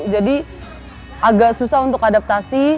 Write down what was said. jadi agak susah untuk adaptasi